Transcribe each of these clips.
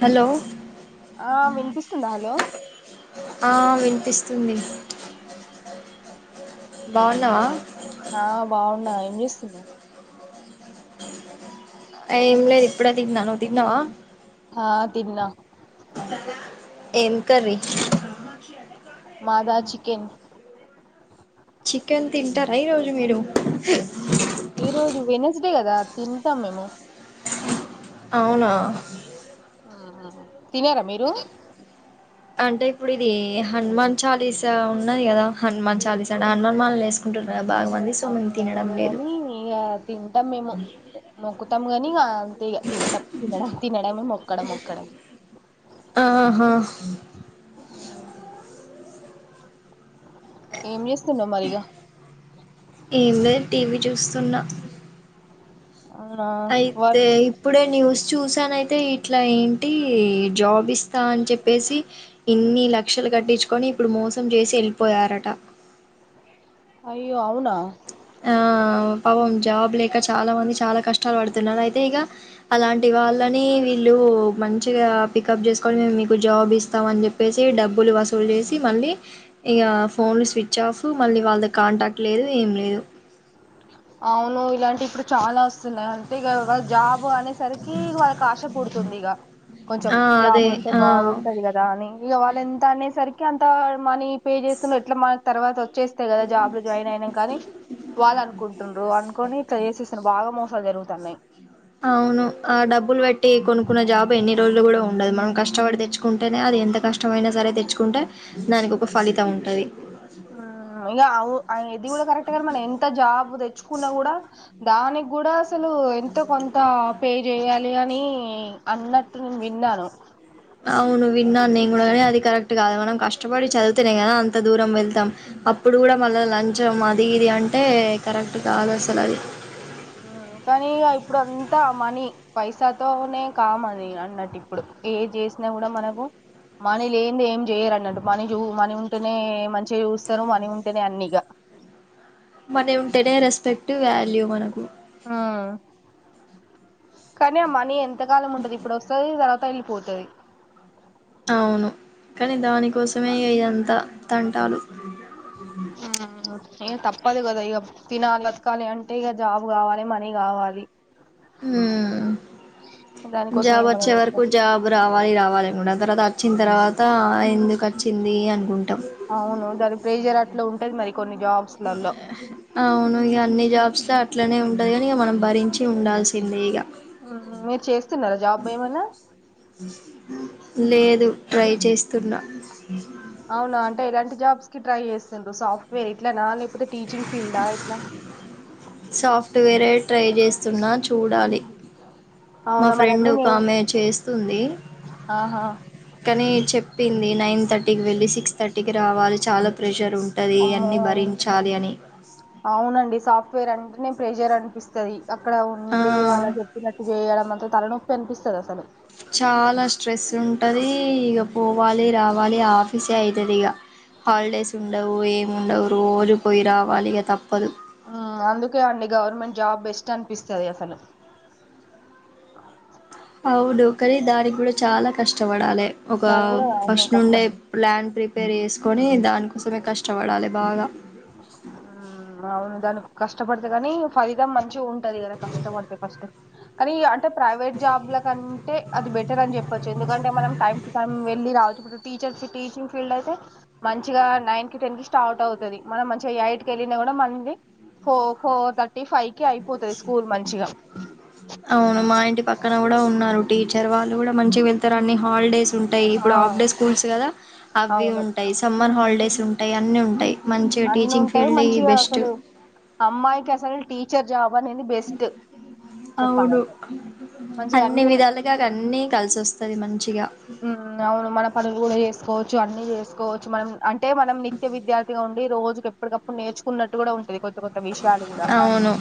Hello ఆ వినిపిస్తుందా hello ఆ వినిపిస్తుంది బాగున్నావా ఆ బాగున్నా ఏం చేస్తున్నావ్ ఏం లేదు ఇప్పుడే తిన్నా నువ్వు తిన్నావా ఆ తిన్న ఏం కర్రీ మాద చికెన్ చికెన్ తింటారా ఈ రోజు మీరు ఈ రోజు వెనస్డే కదా తింటాం మేము అవునా ఆ తిన్నారా మీరు అంటే ఇప్పుడు ఇది హనుమాన్ చాలీసా ఉన్నది కదా హనుమాన్ చాలీసా అ హనుమాలని వేసుకుంటారు అవునవును కాని ఇగ తింటాం మేము మొక్కుతాం గాని అంతే ఇగ తింటాం ఇకడ ఆహా ఏం చేస్తున్నావ్ మరి ఇగ ఏం లేదు టీవీ చూస్తున్నా అవునా అయితే వర్క్ ఇప్పుడే నివుస్ చూసానైతే ఇట్లా ఏంటి జాబ్ ఇస్తా అని చెప్పేసి ఇన్ని లక్షలు కట్టించుకొని ఇప్పుడు మోసం చేసి వెళ్లిపోయారంట అయ్యో అవునా ఆ పాపం జాబ్ లేక చాలా మంది చాలా కష్టం [unintelligible] పడుతున్నారు అయితే ఇగ అలాంటి వాళ్లని ళ్లు మంచిగా పికప్ చేసుకోని మేము మీకు జాబ్ ఇస్తాం అని చెప్పేసి డబ్బులు వసూలు చేసి మల మళ్లీ ఇగ ఫోన్లు స్విచ్ ఆఫ్ మళ్ళీ వాళ్ళది కాంటాక్ట్ లేదు ఏం లేదు అవును ఇలాంటివి ఇప్పుడు చాలా వసు వస్తున్నా అంటే ఇగ వాళ్లు జాబ్ అనేసరికి వాళ్ళకి ఆశ పుడుతుంది ఇగ కొంచెం ఆ జాబ్ అదే ఉంటే ఆ బాగుంటది కదా అని ఇగ వాళ్ళ ఎంత అనేసరికి అంత మనీ పే చేస్తున్నా ఎట్లా మా తర్వాత వచ్చేస్తది కదా జాబ్ లో జాయిన్ అయిన కానీ వాళ్ల అ [unintelligible] అనుకొని చేసేసాను బాగా మోసాలు జరుగుతన్నాయి అవును ఆ డబ్బులు పెట్టి కొనుక్కున్న జాబ్ ఎన్ని రోజులు కూడా ఉండదు మనం కష్టపడి తెచ్చుకుంటేనే అది ఎంత కష్టమైనా సరే తెచ్చుకుంటే దానికి ఒక ఫ్ లీతం ఉంటది ఆ ఇంక అవు ఆయన ఇది కూడా కరెక్ట్ మన ఎంత జాబు తెచ్చుకున్నా కూడా దానికి కూడా అసలు ఎంతో కొంత ఆ పే చెయాలి అన్ని అన్నట్టు నేను విన్నాను అవును విన్నా నేను కూడా అది కరెక్ట్ కాదు మనం కష్టపడి చదువుతేనే కదా అంత దూరం వెళ్తాం అప్పుడు కూడా మల్ల లంచం అది ఇది అంటే కరెక్ట్ కాదు అసలు అది ఉమ్మ్ కానీ ఇక ఇప్పుడు అంతా మనీ పైసాతోనే కామది అన్నట్టు ఇప్పుడు ఏ చేసినా కూడా మనకు మనీ లేనింది ఏం చేయరున్నట్టు మనీ చూ మనీ ఉంటేనే మంచిగా చూస్తారు మనీ ఉంటేనే అని ఇగ మన ఉంటేనే రెస్పెక్ట్ వాల్యూ మనకు ఆ కాని అ మనీ ఎంతకాలం ఉంటది ఇప్పుడు వస్తుది తర్వాత ఇ పోతాది అవును కానీ దానికోసమే ఇదంతా తంటాలు ఇగ తప్పదు కదా ఇగ తినాలా బతకాలి అంటే ఇక జా జాబ్ కావాలి మనీ కావాలి హ్మ్ దానికోసం జాబ్ ఏమన్నా వచ్చే వరకు చేస్తాం జాబ్ రావాలి రావాలి కూడ తర్వాత వచ్చిన తర్వాత ఎందుకు ఆ వచ్చింది అనుకుంటాం ప్రేజర్ అట్లు ఉంటది మరి కొన్ని జాబ్స్లలో అవును ఇక అన్ని జాబ్స్ లో అట్లనే ఉంటది కాని ఇక మనం భరించి ఉండాల్సిందే ఇక మీరు చేస్తున్నారా జాబ్ ఏమనా లేదు ట్రై చేస్తున్నా అవునా అంటే ఎలాంటి జాబ్స్ కి ట్రై చేస్తున్రు సాఫ్ట్వేర్ ఇట్లానా లే పుడు టీచింగ్ ఫీల్డ్ ఆ ఎట్లా సాఫ్ట్వేరే ట్రై చేస్తున్నా చూడాలి మా అవునా మరి ఫ్రెండ్ అన్నీ ఒక నేను ఆమె చేస్తుంది ఆహా కానీ చెప్ పింది నైన్ థర్టీకి వెళ్ళి సిక్స్ థర్టీకి రావాలి చాలా ప్రెషర్ ఉంటది అమ్మో అన్ని భరించాలి అని వేరంటనే ప్రెషర్ అనిపిస్తుది అక్కడ ఆ ఉండి అలా చెప్పినట్టు చేయడం అంతా తనను కనిపిస్తది అసలు చాలా స్ట్రెస్ ఉంటది ఇక పోవాలి రావాలి ఆఫీసే అవుతది ఇగ హాలిడేస్ ఉండవు ఏం ఉండవు రోజు పోయి రావాలి ఇగ తప్పదు అందుకే అండి గవర్నమెంట్ జాబ్ బెస్ట్ అనిపిస్తది అసలు అవుడు కానీ దానికి కూడా చాలా కష్టపడాలి ఒక దాని కూడా అవును ఫస్ట్ నుండే కష్టం ల్యాండ్ ప్రిప్ ప్రిపేర్ చేేసుకొని దానికోసమే కష్టపడాలి బాగా అవును దానికి కష్టపడితే కాని ఫలితం మంచిగా ఉంటు దా కష్టపడతే కష్ట కానీ అంటే ప్రైవేట్ జాబ్ల కంటే అది బెటర్ అని చెప్పొచ్చు ఎందుకంటే మనం టైం టు టైం వెళ్ళి రావచ్చు ఇప్పుడు టీచర్స్ టీచింగ్ ఫీల్డ్ అయితే మంచిగా నైన్ కి టెన్ కి స్టార్ట్ అవుతుంది మనం మంచిగా ఎయిట్కి వెళ్ళినా కూడా మళ్ ఫోర్ ఫోర్ థర్టీ ఫైవ్ కి అయిపోతది స్కూల్ మంచిగా అవును మా ఇంటి పక్కన కూడా ఉన్నారు టీచర్ వాళ్ళు కూడా మంచిగా వెళ్తారు అన్ని హాలిడేస్ ఉంటాయి ఆ ఇప్పుడు ఆఫ్ డే స్కూల్స్ కదా అవి అవును ఉంటాయి సమ్మర్ హాలిడేస్ ఉంటాయి అన్నీ ఉంటాయి మంచిగా అన్ని టీచింగ్ ఉంటాయి ఫీల్డ్ ఏ బెస్ట్. అసల్ టీచర్ జాబ్ అనేది బెస్ట్ అవును చెప్పాలంటే అన్ని విధాలుగా అన్ని కలిసోస్తది మంచిగా కోవచ్చు అన్ని చేసుకోవచ్చు మనం అంటే మనం నిత్య విద్యార్థిగా ఉ రోజుకి ఎప్పుటికప్పుడు నేర్చుకున్నాట్టు కూడా ఉంటుది కొ అవును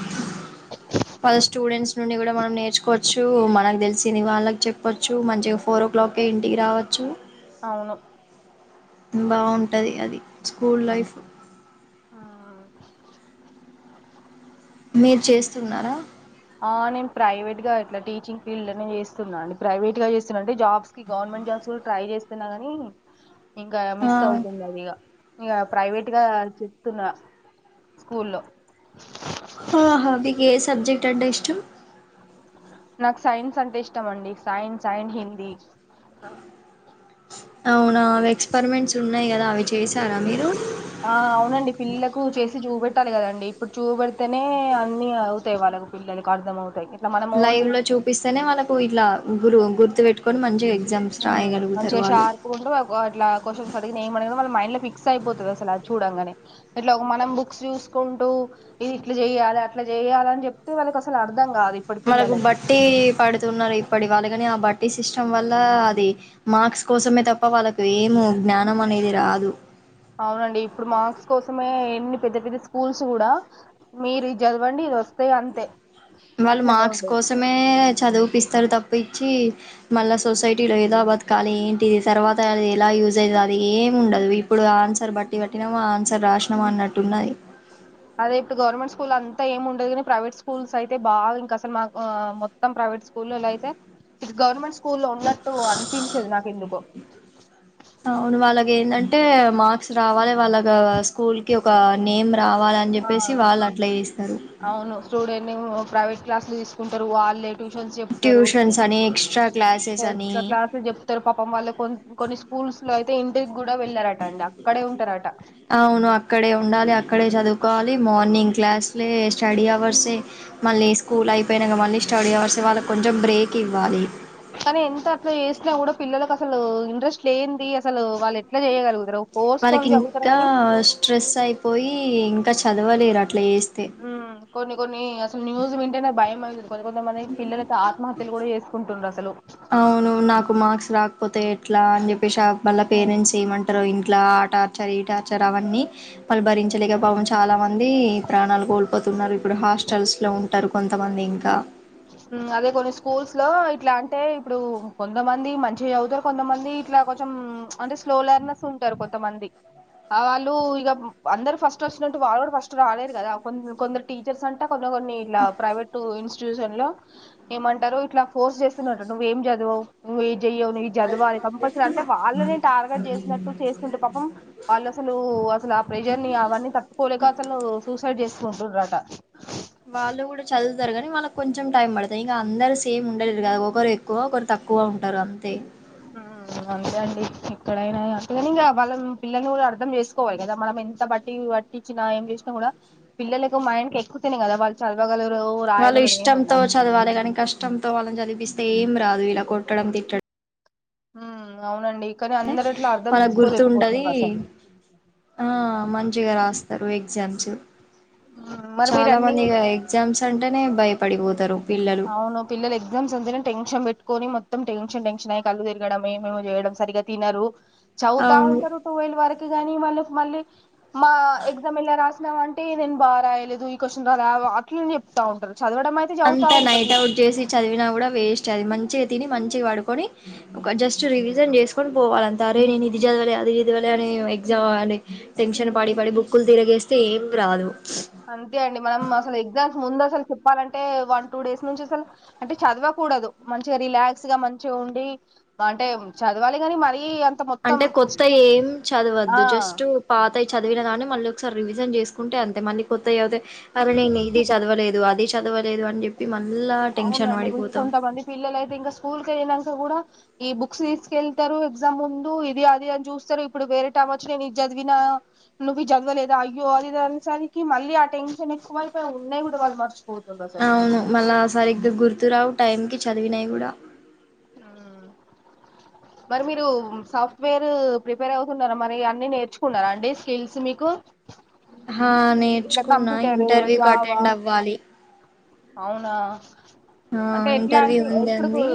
మన స్టూడెంట్స్ నుండి కూడా మనం నేర్చుకోచ్చు మనకు తెలిసింది వాళ్ళకి చెప్పవచ్చు మంచిగా ఫోర్ ఓ క్లాక్ే ఇంటికి రావచ్చు అవును బాగుంటది అది స్కూల్ లైఫ్ ఆ మీరు చేస్తున్నారా నేను ప్రైవేట్ గాట్లా టీచింగ్ ఫీల్డ్ లోనే చేస్తున్నాంను ప్రైవేట్ గా చేస్తున్నా అంటే జాబ్స్ గవర్నమెంట్ జాబ్స్ ఇప్పుడు ట్రై చేస్తున్నా ని ఇంకా ఆ, మిస్ అవుతుంది అదిగా ఇక ప్రైవేట్ గా చెప్తున్నా స్కూల్లో ఆహా మీకు ఏ సబ్జెక్ట్ అంటే ఇష్టం నాకు సైన్స్ అంటే ఇష్టం అండి సైన్స్ అండ్ హిందీ అవునావి ఎక్స్పరిమెంట్స్ ఉన్నాయి కదా అవి చేసారా మీరు ఆ అవునండి పిల్లలకు చేసి చూపెట్టాలి కదండి ఇప్పుడు చూప పెడితేనే అన్ని అవుతాయి వాళ్ళు పిల్లలకు అర్థంవుతాయితే లైవ్ లో చూపిస్తేనే వాళకు ఇట్లా గురు గుర్తు పెట్టుకొని మంచి మంచిగా షార్ప్ ఉండి అట్లా క్వశ్చన్ అడిగిన ఏమడి వాళ్ళ మై ఇలా ఫిక్స్ అయిపోతాది అసలు ఆది చూడంగానే ఇట్లా మనం బుక్స్ చూసుకుంటూ ఇది ఇట్లా చేయి అట్లా చేయాల అని చెప్తే వాళ్ళకి అసలు అర్థం కాదు ఇప్పటి వాళ్ళకు పిల్లలకు బట్టి పడుతున్నారు ఇప్పటి వాళ్ళకి కాని ఆ బట్టి సిస్టమ్ వల్ల అది మార్క్స్ కోసమే తప్ప వాళ్ళకు ఏము జ్ఞానం అనేది రా అదు అవునండి ఇప్పుడు మార్క్స్ కోసమే ఎన్ని పెద్ద పెద్ద స్కూల్స్ కూడా మీరు చదవండి వస్తాయిఅంతే వాళ్ళు మార్క్స్ కోసమే చదివిపిస్తారు తప్పు పప్పించి మళ్ళా సొసైటీలో ఎలా బతకాలి ఏంటి తర్వాత అది ఎలా యూజ్ అవుతుంది అది ఏ ఉండదు ఇప్పుడు ఆన్సర్ బట్టి పెట్టినా ఆన్సర్ రాసి అదే ఇప్పుడు గవర్నమెంట్ స్కూల్ అంత ఏమి ఉండదు కానీ ప్రైవేట్ స్కూల్స్ అయితే బాగా ఇంకా అసలు మా మొత్తం ప్రైవేట్ స్కూల్లో అయితే ఇది గవర్నమెంట్ స్కూల్ లో ఉన్నట్టు అనిపించేది నాకు ఎందుకు అంటే మార్క్స్ రావాలి వాళ్ళ స్కూల్ కి ఒక నేమ్ రావాలని ఆ చెప్పేసి వాళ్ళు అట్లా చేస్తారు అవును స్టూడెంట్ ప్రైవేట్ క్లాసులు తీసుకుంటారు వాళ్లే ట్యూషన్స్ అని ఎక్స్ ఎక్స్ట్రా క్లాసెస్ చెప్తారు పాపం వాళ్ళ కొ కొన్ని స్కూల్స్ లో అయితే ఇంటికి కూడా వెళ్ళారట అండి అక్కడే ఉంటారట అవును అక్కడే ఉండాలి అక్కడే చదువు వాలి మార్నింగ్ క్లాస్లే స్టడీ అవర్స్ మళ్ళీ స్కూల్ అయిపోయినాక మళ్ళీ స్టడీ అవర్స్ వాళ్ళ కొంచెం బ్రేక్ ఇవ్వాలి కానీ ఎంత అట్లా చేసినా కూడా పిల్లలకు అసలు ఇంట్రెస్ట్ లేంది అసలు వాళ్ళు ఎట్లా చేయగలుగుతారు ఫోర్స్ తో వాళ్ళకి చదువుతారు ఇంకా కానీ స్ట్రెస్ అయిపోయి ఇంకా చదవలేరు అట్లా చే తే కాని అసలు న్యూస్ వింటేనే భయం అయిత కో కొంతమంది పిల్లయితే ఆత్మహత్యలు కూడా చేసుకుంటుర్రు అసలు ఇట్లా అని చెప్పేసి ఆ వాళ్ళ పేరెంట్స్ ఏమంటారు ఇంట్లా ఆ టార్చర్ ఈ టార్చర్ అవన్నీ వాళ్ళు భరించలేక పాపం చాలా మంది ప్రాణాలు కోల్పోతున్నారు ఇప్పుడు హాస్టల్స్ లో ఉంటారు కొంతమంది ఇంకా అదే కొన్ని స్కూల్స్ లో ఇట్లా అంటే ఇప్పుడు కొంతమంది మంచి చదువుతారు కొంతమంది ఇట్లా కొంచెం అంటే స్లోలర్నెస్ ఉంటారు కొంతమంది వాళ్ళు ఇగ అందరు ఫస్ట్ వచ్చినట్టు వాళ్ళు కూడా ఫస్ట్ రాలేరు కొంద కొందరు టీచర్స్ అంటా కొన్ని కొన్ని ఇట్లా ప్రవేట్ ఇన్స్ ట్యూషన్ లో ఏంటారు ఇట్లా ఫోర్స్ చేస్తున్నారట నువ్వు ఏం చదువు నువ్వు చెయ్యవు నువ్వు చదవాలి కంపల్సరీ అంటే వాళ్ళని టార్గెట్ చేసినట్టు చేస్తుంటే పాపం వాళ్ళు అసలు అసలు ఆ ప్రెజర్ ని అవన్నీ తట్టుకోలేక అసలు సూసైడ్ చేసుకుంటురట వాళ్ళు కూడా చదువుతారు కానీ వాళ్ళకి కొంచెం టైం పడతాయి ఇంకా అందరు సేమ్ ఉండలేరు కదా ఒకరు ఎక్కువ ఒకరు తక్కువ ఎక్కువ ఉంటారు అంతే ఉహు అంతే అండి ఇక్కడైనా అంతేగాని వాళ్ళం పిల్లల్ని కూడా అర్థం చేసుకోవాలి కదా మనం ఎంత బట్టి వాట్టించిన ఏం చేసినకుడా పిల్లలకు మైండ్ ఎక్కుతానే కదా వాళ్ళు చదవగలరు వాళ్ళు రాయగలరు ఏమైనా ఇష్టంతో చదవలే కానీ కష్టంతో వాళ్ళని చదిపిస్త ఎమ్ రాదు విలా కొట్టడం తిట్టడం హు అవునండి కానీ అందరు అట్లా అర్థం వాళ్ళ గుర్తుంటది చేసుకోలేకపోతున్నారు అసలు ఆ మంచిగా రాస్తరు ఎగ్జామ్ చు మరి మీరు చాలా అన్ని మంది ఇగ ఎగ్జామ్స్ అంటేనే భయపడిపోతారు పిల్లలు అవును పిల్లలు ఎగ్జామ్స్ అంటనే టెన్షన్ పెట్టుకొని మో మోత్తం టెన్షన్ టెన్షన్ కళ్ళు తిరగడం ఏమో చేయడం సరిగా తినరు చదువుతా అవును ఉంటారు టూవెల్ వరకు కానీ వాళ్ళక్ మళ్ళీ మా ఎగ్జామ్ ఎల్లా రాస్ నాంటే నేను బాగా రాయలేదు ఈ క్వశ్చన్ రాలే ఆ అట్లనే చేప్తా ఉంటారు చదవడమైతే అంతా నైట్ అవుట్ చేసి చదివినా కూడా వేస్ట్ అది మంచిగా తిని మంచి మంచిగా పడుకొని ఒక జస్ట్ రివిజన్ చేసుకొని పోవాలంతే అరే నేను ఇది చదివలే అది చదవాలే అని ఎగ్జామ్ దవలే టెన్షన్ పడి పడి బుకులు తిరిగేస్తే ఏమ్మ్ రాదు అంతేండి మనం అసలు ఎగ్జామ్స్ ముందాసల్ చెప్పాలంటే వన్ టూ డేస్ నుంచి అసలు అంటే చదవకూడదు మంచిగా రిలాక్స్గా మంచిగుండి అంటే చదవాలి గాని మరి అంత్ అంటే కొత్తయేమ్ ఆ చదవద్దు జస్ట్ పాతై చదివిన గాని మళ్ళీ ఒకసారి రివిజన్ చేసు కుంటే అంతే మళ్ళీ కొత్త అవుతే అరేను ఇది చదవలేదు అది చదవలేదు అని చెప్పి మళ్ళా టెన్షన్ అవునండి పడిపోతాం కొంతమంది పిల్లలైతే ఇంకా స్కూల్ ఏళ్లినాక కూడా ఈ బుక్స్ తీసుకెళ్తారు ఎగ్జామ్ముందు ఇది అది అని చూస్తారు ఇప్పుడు వేరేటమోచ్చి నేను ఇది చదివిన నువు ఈజాధ్వలేద అయ్యో అదిదానేసరికి మళ్ళీ ఆ టెన్షన్ ఎక్కువైపోయి ఉన్నాయి కూడా వాళ్ళు మర్చు అవును మళ్ళా సరిగా గుర్తురావు టైంకి చదివినై కూడా ఆఆ మరి మీరు సాఫ్ట్వేర్ ప్రిపేర్ అవుతున్నారా మరి అన్ని నేర్చుకున్నారండి స్కిల్స్ మీక కు హా నేర్చుకున్నా ఇంటర్వ్యూక్ జావా అటెండ్ అవ్వాలి అవునా ఆ అంటే ఇంటర్వ్యూ ఎట్లాంటి ఉంది ఇప్పుడుకు అంది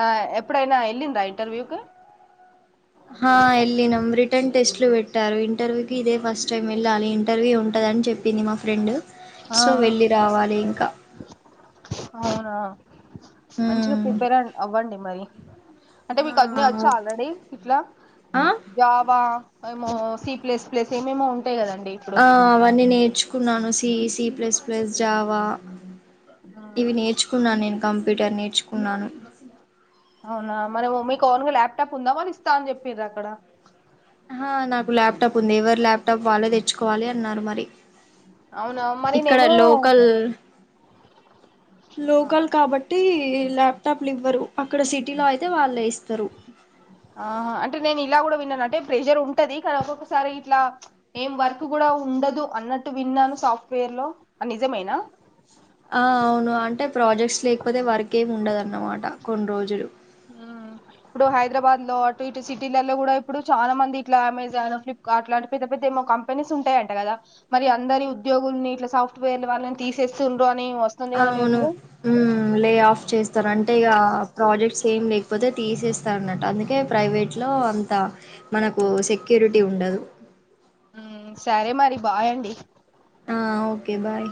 ఆ ఎప్పుడైనా ఏళ్లిందా ఇంటర్వ్యూ కు హా ఏళ్లినం రిట్ రిటర్న్ టెస్ట్లు పెట్టారు ఇంటర్వ్యూకి ఇదే ఫస్ట్ టైం ఏళ్ళాలి ఇంటర్వ్యూ ఉంటదని చెప్పింది మా ఫ్రెండు ఆ సో వెళ్ళిరావాలి ఇంకా అవునా మంచిగా హ్మ్. ప్రిపేర్ అవ్వండి మరి అంటే హా మీకన్నీ వచ్చా ఆల్రెడీ ఇట్లా ఆ జావా వాయమో సీ ప్లేస్ ప్లేస్ ఏమేమో ఉంటాయి కదండి ఇప్పుడు ఆ అవన్నీ నేర్చుకున్నాను C C plus plus Java ఉమ్, ఇవి నేర్చుకున్నాను నేన్ కంప్యూటర్ నేర్చుకున్నాను అవునా మరి మీకు ఓన్గా ల్యాప్టాప్ ఉందా వాళ్ళిస్తమణి చేపిరా అక్కడ ఆ హా నాకు ల్యాప్టాప్ ఉంది ఎవరి ల్యాప్టాప్ వాళ్లే తెచ్చుకోవాలి అన్నారు మరి అవునా మరి ఇక్కడ నేను లోకల్ ఆ, లోకల్ కాబట్టి ఈ ఈ ల్యాప్టాప్లు ఇవ్వరు అక్కడ సిటీలో అయితే వాళ్లే ఇస్తారు నంటే ప్రెషర్ ఉంటది కానీ ఒక్కొక్కసారి ఇట్లా ఏం వర్క్ కూడా ఉండదు అన్నట్టు విన్నాను సాఫ్ట్వేర్లో ఆ నిజమేనా ఆ అవును అంటే ప్రాజెక్ట్స్ లేకపోతే వర్క్ ఏముండదాన్మాట కోన్ రోజులు ఆ ఇప్పుడు హైద్రాబాదలో ఇటు సిటీలలో కూడా ఇప్పుడు చాలా మంది ఇట్లా అమెజాను ఫ్లిప్కార్ట్ అట్లాంటి పెద్ద పెద్ద ఏమో కంపెనీస్ ఉంటాయంట కదా మరి అందరి ఉంద్యోగుల్ని ఇట్ల సాఫ్ట్వేర్లు వాళ్ళని తీసేస్తురు అవును హు లే ఆఫ్ చేస్తారంట అే ప్రాజెక్ట్స్ ఏం లేకపోతే తీసేస్తా అన్నట్టు అందుకే ప్రైవేట్ లో అంత మన సెక్యూరిటీ ఉండదు సరే మరి బాయండి ఆ ఓకే బాయ్